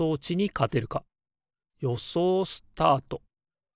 よそうスタート。